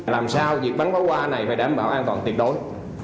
làm sao việc bán pháo hoa này phải đảm bảo an toàn tiết đối